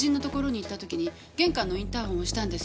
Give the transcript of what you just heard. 行った時に玄関のインターホン押したんです。